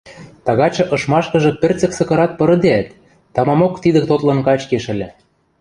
Тагачы ышмашкыжы пӹрцӹк сыкырат пырыдеӓт, тамамок тидӹ тотлын качкеш ыльы.